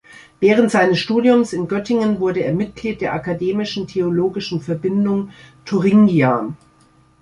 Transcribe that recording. Während seines Studiums in Göttingen wurde er Mitglied der "Akademischen Theologischen Verbindung Thuringia".